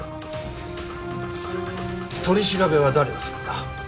取り調べは誰がするんだ？